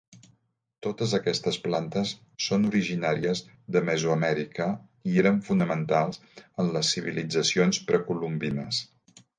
Totes aquestes plantes són originàries de Mesoamèrica i eren fonamentals en les civilitzacions precolombines.